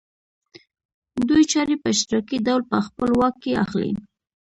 دوی چارې په اشتراکي ډول په خپل واک کې اخلي